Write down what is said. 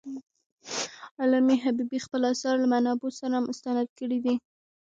علامه حبيبي خپل آثار له منابعو سره مستند کړي دي.